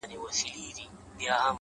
لږه دورې زيارت ته راسه زما واده دی گلي;